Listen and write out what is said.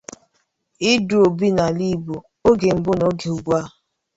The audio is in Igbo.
Idu Obì n'Ala Igbo: Oge Mbụ Na Oge Ugbua